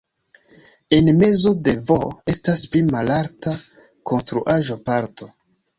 En mezo de "V" estas pli malalta konstruaĵo-parto.